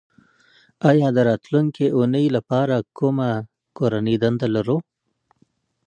ایا د راتلونکې اونۍ لپاره کومه کورنۍ دنده لرو